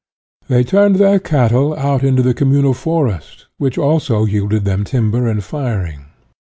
They turned their cattle out into the communal forest, which, also, yielded them timber and firing.